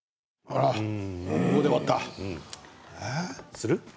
する？